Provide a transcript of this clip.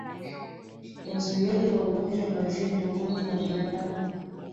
Uzuiaji wa ugonjwa wa maziwa miongoni mwa binadamu